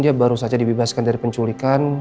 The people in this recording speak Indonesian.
dia baru saja dibebaskan dari penculikan